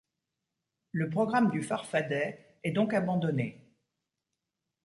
Le programme du Farfadet est donc abandonné.